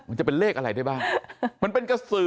มันจะเป็นเลขอะไรได้บ้างมันเป็นกระสือ